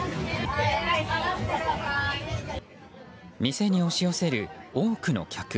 店に押し寄せる多くの客。